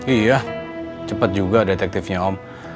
iya cepat juga detektifnya om